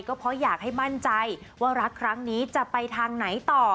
ก็เพราะอยากให้มั่นใจว่ารักครั้งนี้จะไปทางไหนต่อ